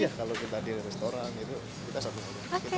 iya kalau kita di restoran itu kita satu satu